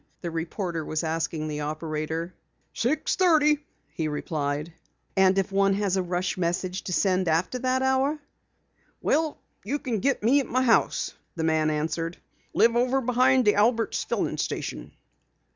the reporter was asking the operator. "Six thirty," he replied. "And if one has a rush message to send after that hour?" "Well, you can get me at my house," the man answered. "I live over behind the Albert's Filling Station."